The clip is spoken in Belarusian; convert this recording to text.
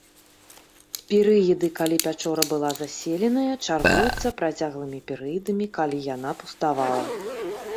Перыяды, калі пячора была заселеная, чаргуюцца працяглымі перыядамі, калі яна пуставала.